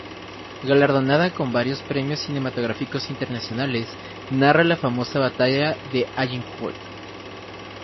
Galardonada con varios premios cinematográficos internacionales, narra la famosa batalla de Agincourt.